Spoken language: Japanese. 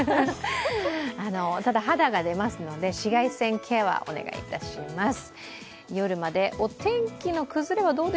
肌が出ますので、紫外線ケアはお願いいたします。